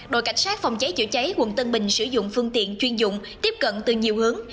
đội cảnh sát phòng cháy chữa cháy quận tân bình sử dụng phương tiện chuyên dụng tiếp cận từ nhiều hướng